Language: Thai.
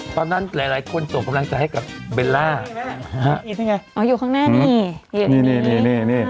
ตอนนั้นหลายหลายคนส่งกำลังใจให้กับเบลล่าอ๋ออยู่ข้างหน้านี่นี่นี่นี่นี่